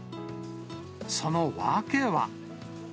その訳は。